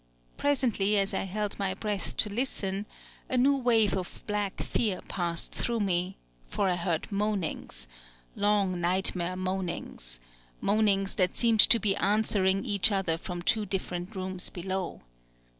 Presently, as I held my breath to listen, a new wave of black fear passed through me; for I heard moanings, long nightmare moanings, moanings that seemed to be answering each other from two different rooms below.